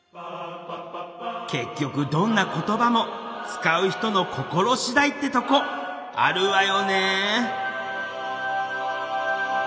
結局どんな言葉も使う人の心しだいってとこあるわよね。